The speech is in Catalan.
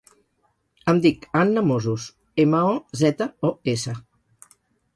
Em dic Anna Mozos: ema, o, zeta, o, essa.